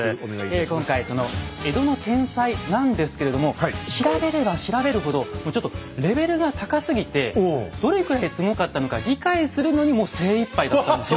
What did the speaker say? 今回その江戸の天才なんですけれども調べれば調べるほどもうちょっとレベルが高すぎてどれくらいすごかったのか理解するのにもう精いっぱいだったんですよ。